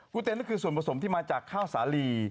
เต็นก็คือส่วนผสมที่มาจากข้าวสาลี